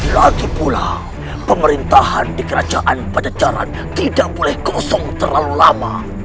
lagi pula pemerintahan di kerajaan pajajaran tidak boleh kosong terlalu lama